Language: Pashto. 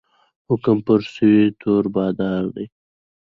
حکم پر سوی د تور بادار دی